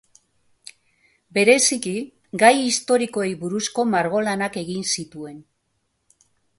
Bereziki, gai historikoei buruzko margolanak egin zituen.